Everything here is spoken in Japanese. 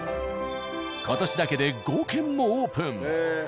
今年だけで５軒もオープン。